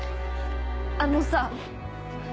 あのさ。